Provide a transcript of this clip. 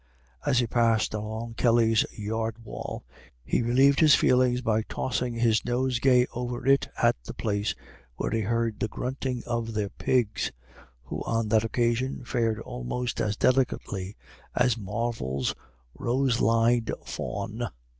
As he passed along the Kellys' yard wall, he relieved his feelings by tossing his nosegay over it at the place where he heard the grunting of their pigs, who on that occasion fared almost as delicately as Marvel's rose lined fawn.